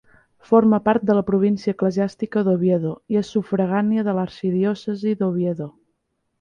Forma part de la província eclesiàstica d'Oviedo, i és sufragània de l'arxidiòcesi d'Oviedo.